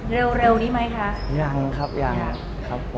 เร็วดีไหมคะยังครับยังครับผม